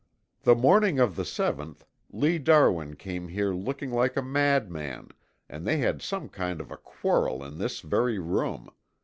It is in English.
"The morning of the seventh, Lee Darwin came here looking like a madman, and they had some kind of a quarrel in this very room.